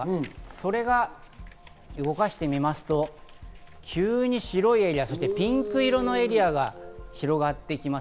それを動かしてみますと、急に白いエリアとピンク色のエリアが広がってきます。